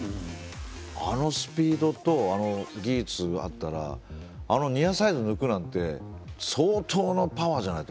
あのスピードと技術あったらニアサイド抜くなんて相当のパワーじゃないと